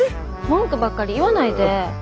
文句ばっかり言わないで。